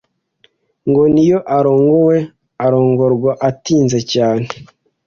ngo niyo arongowe arongorwa atinze cyane